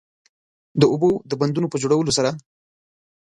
د اوبو د بندونو په جوړولو سره